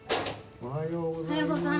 おはようございます。